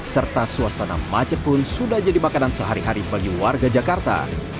serta suasana macet pun sudah jadi makanan sehari hari bagi warga jakarta